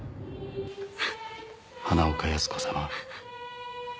「花岡靖子様」